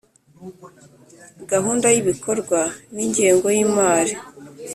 Gahunda y’ibikorwa n’ingengo y’imari